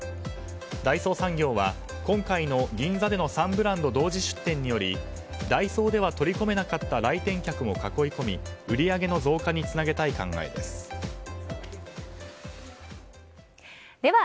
大創産業は、今回の銀座での３ブランド同時出店によりダイソーでは取り込めなかった来店客を囲い込み売り上げの増加につなげたい考えです。